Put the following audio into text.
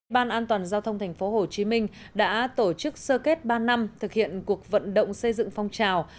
ban an toàn giao thông tp hcm đã tổ chức sơ kết ba năm thực hiện cuộc vận động xây dựng phong trào